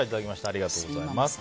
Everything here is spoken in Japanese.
ありがとうございます。